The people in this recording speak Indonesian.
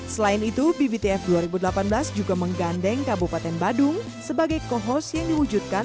selain itu bbtf dua ribu delapan belas juga menggandeng kabupaten badung sebagai co host yang diwujudkan